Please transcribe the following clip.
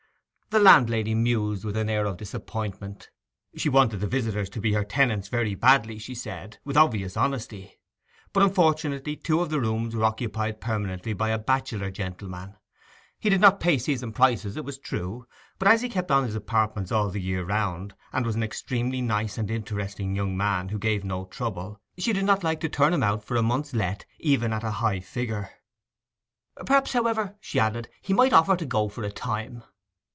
The landlady mused with an air of disappointment. She wanted the visitors to be her tenants very badly, she said, with obvious honesty. But unfortunately two of the rooms were occupied permanently by a bachelor gentleman. He did not pay season prices, it was true; but as he kept on his apartments all the year round, and was an extremely nice and interesting young man, who gave no trouble, she did not like to turn him out for a month's 'let,' even at a high figure. 'Perhaps, however,' she added, 'he might offer to go for a time.